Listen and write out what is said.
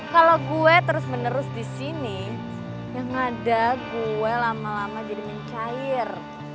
kalau gue terus menerus di sini yang ada gue lama lama jadi mencair